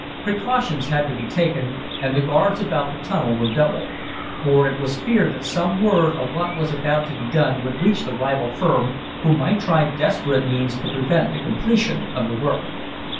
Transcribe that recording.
Precautions had to be taken, and the guards about the tunnel were doubled. For it was feared that some word of what was about to be done would reach the rival firm, who might try desperate means to prevent the completion of the work.